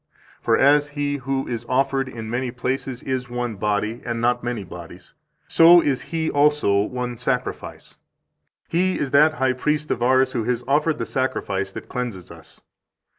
For as He who is offered in many places is one body, and not many bodies, so is He also one sacrifice. He is that High Priest of ours who has offered the sacrifice that cleanses us.